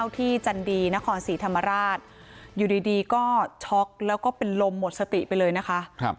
จันดีนครศรีธรรมราชอยู่ดีก็ช็อกแล้วก็เป็นลมหมดสติไปเลยนะคะ